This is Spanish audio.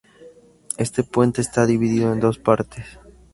Este puente está dividido en dos partes.